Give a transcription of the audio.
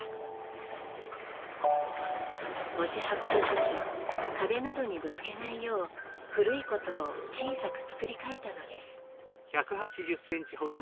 持ち運ぶ時壁などにぶつけないよう古い箏を小さく作り替えたのです。